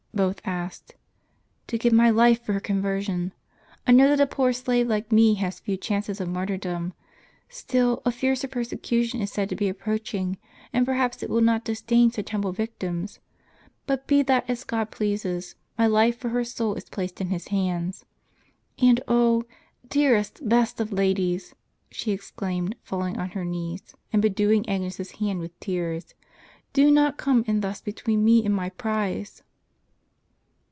" both asked. " To give my life for her conversion. I know that a poor slave like me has few chances of martyrdom. Still, a fiercer persecution is said to be approaching, and perhaps it will not disdain such humble victims. But be that as God pleases, my life for her soul is placed in His hands. And oh, dearest, best of ladies," she exclaimed, falling on her knees and bedewing Agnes' s hand with tears, "do not come in thus between me and my prize."